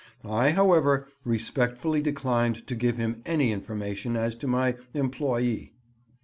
I, however, respectfully declined to give him any information as to my employé.